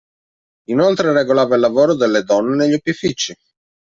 Inoltre regolava il lavoro delle donne negli opifici.